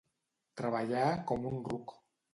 Treballar com un ruc.